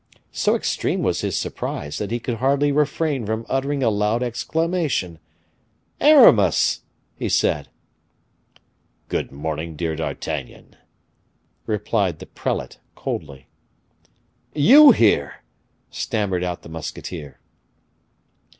So extreme was his surprise that he could hardly refrain from uttering a loud exclamation. "Aramis!" he said. "Good morning, dear D'Artagnan," replied the prelate, coldly. "You here!" stammered out the musketeer.